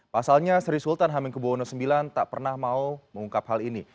pasalnya sri sultan hamengkubwono ix tak pernah mau mengungkap hal ini